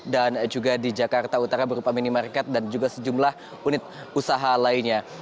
dan juga di jakarta utara berupa minimarket dan juga sejumlah unit usaha lainnya